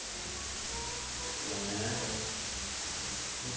こうね。